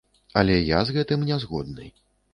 Але я з гэтым не згодны.